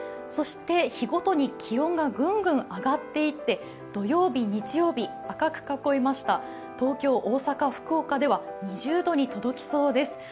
そして日ごとに気温がぐんぐん上がっていって土曜日、日曜日赤く囲いました、東京、大阪、福岡では２０度に届きそうです。